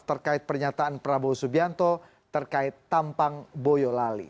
terkait pernyataan prabowo subianto terkait tampang boyolali